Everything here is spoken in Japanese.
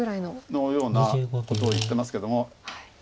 のようなことを言ってますけども。